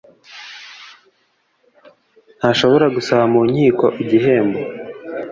ntashobora gusaba mu nkiko igihembo